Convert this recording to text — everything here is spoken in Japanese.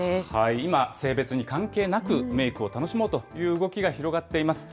今、性別に関係なく、メークを楽しもうという動きが広がっています。